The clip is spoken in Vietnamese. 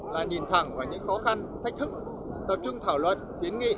là nhìn thẳng vào những khó khăn thách thức tập trung thảo luật tiến nghị